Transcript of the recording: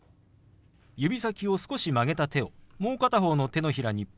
指先を少し曲げた手をもう片方の手のひらにポンと置きます。